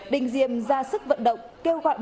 đinh diên ra sức vận động